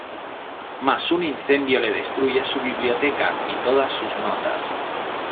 Mas un incendio le destruye su biblioteca y todas sus notas.